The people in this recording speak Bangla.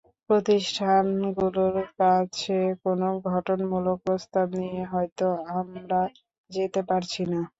প্রতিষ্ঠানগুলোর কাছে কোনো গঠনমূলক প্রস্তাব নিয়ে হয়তো আমরা যেতে পারছি না।